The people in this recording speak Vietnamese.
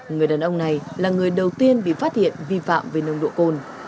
người đàn ông này là người đầu tiên bị phát hiện vi phạm về nồng độ cồn